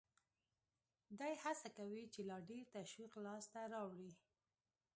دی هڅه کوي چې لا ډېر تشویق لاس ته راوړي